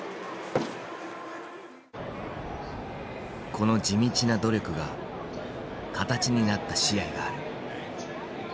この地道な努力が形になった試合がある。